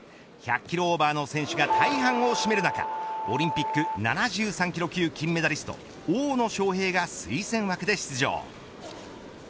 １００キロオーバーの選手が大半を占める中オリンピック７３キロ級金メダリスト大野将平が推薦枠で出場。